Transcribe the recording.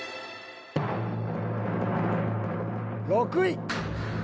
６位。